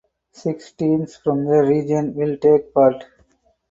Six teams from the region will take part.